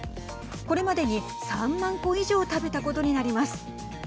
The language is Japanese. これまでに３万個以上食べたことになります。